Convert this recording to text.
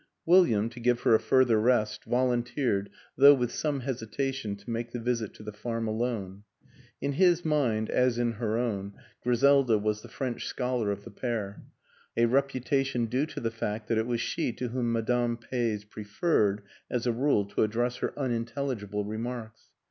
William, to give her a further rest, volunteered, though with some hesitation, to make the visit to the farm alone ; in his mind, as in her own, Griseida was the French scholar of the pair, a reputation due to the fact that it was she to whom Madame Peys preferred, as a rule, to ad dress her unintelligible remarks.